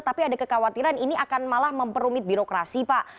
tapi ada kekhawatiran ini akan malah memperumit birokrasi pak